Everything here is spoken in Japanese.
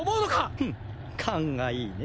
フン勘がいいね。